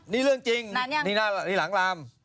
นี่เรื่องจริงนี่หลังลาม